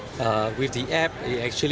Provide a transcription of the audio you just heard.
yang penting yang telah berkembang adalah penjualan